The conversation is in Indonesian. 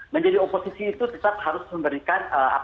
menjadi oposisi itu tetap harus memberikan